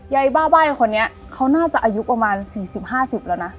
ยาบ้าใบ้คนนี้เขาน่าจะอายุประมาณ๔๐๕๐แล้วนะ